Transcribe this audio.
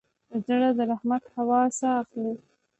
زړه د رحمت هوا ساه اخلي.